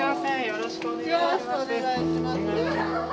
よろしくお願いします。